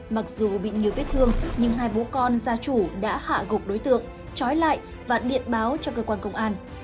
mặc dù bị nhiều vết thương nhưng hai bố con gia chủ đã hạ gục đối tượng trói lại và điện báo cho cơ quan công an